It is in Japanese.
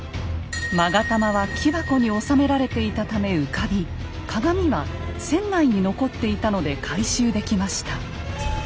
勾玉は木箱に納められていたため浮かび鏡は船内に残っていたので回収できました。